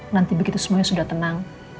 nanti begitu semuanya sudah tenang